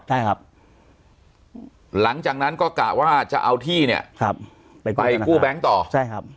ใช่ครับหลังจากนั้นก็กะว่าจะเอาที่เนี่ยครับไปไปกู้แบงค์ต่อใช่ครับ